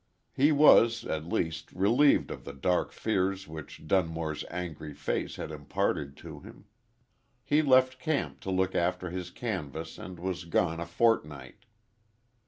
He was, at least, relieved of the dark fears which Dunmore's angry face had imparted to him. He left camp to look after his canvass and was gone a fortnight.